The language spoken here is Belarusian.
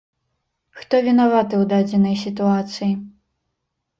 Хто вінаваты ў дадзенай сітуацыі?